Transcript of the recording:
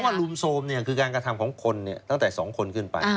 เพราะว่ารุมโทรมเนี่ยคือการกระทำของคนเนี่ยตั้งแต่สองคนขึ้นไป